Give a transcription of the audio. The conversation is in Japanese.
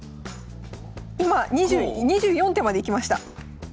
今２４手までいきました。